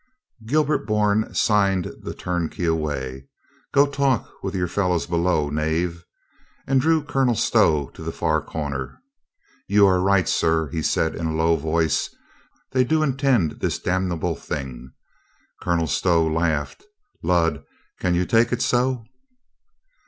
Gilbert Bourne signed the turnkey away. "Go talk with your fellows below, knave," and drew Col onel Stow to the far corner. "You are right, sir," he said in a low voice. "They do intend this damnable thing." Colonel Stow laughed. "Lud, can you take it so?"